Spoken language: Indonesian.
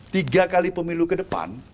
tiga kali pemilu ke depan